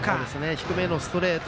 低めのストレート